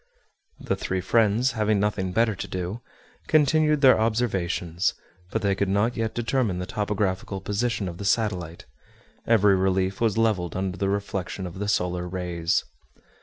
The three friends, having nothing better to do, continued their observations; but they could not yet determine the topographical position of the satellite; every relief was leveled under the reflection of the solar rays.